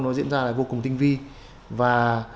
nó diễn ra là vô cùng tinh vi và